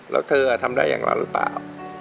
แล้วเธอทำได้อย่างเราหรือเปล่า